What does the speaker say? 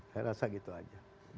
saya rasa gitu aja